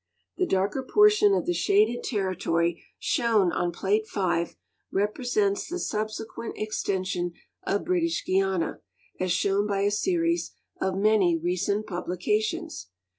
The darker j)ortion of the shaded territoiy shown on Plate V represents the subsequent extension of British Guiana, as shown by a series of many recent publications.